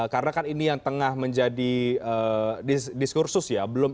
karena kan ini yang tengah menjadi diskursus ya